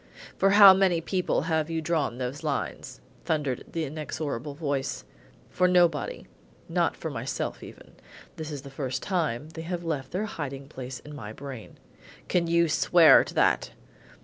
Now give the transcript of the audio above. "For how many people have you drawn those lines?" thundered the inexorable voice. "For nobody; not for myself even. This is the first time they have left their hiding place in my brain." "Can you swear to that?"